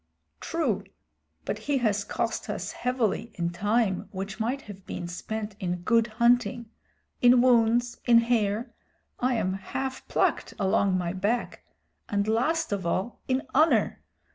"True, but he has cost us heavily in time which might have been spent in good hunting, in wounds, in hair I am half plucked along my back and last of all, in honor.